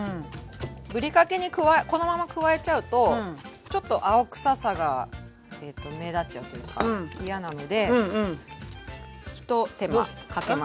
ぶりかけにこのまま加えちゃうとちょっと青臭さが目立っちゃうというか嫌なので一手間かけます。